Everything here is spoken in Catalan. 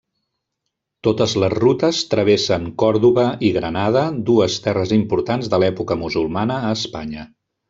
Totes les rutes travessen Còrdova i Granada, dues terres importants de l'època musulmana a Espanya.